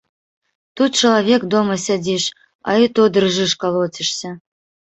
Тут, чалавек, дома сядзіш, а і то дрыжыш, калоцішся.